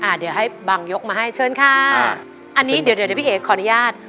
เดี๋ยวให้บังยกมาให้เชิญค่ะอันนี้เดี๋ยวเดี๋ยวพี่เอ๋ขออนุญาต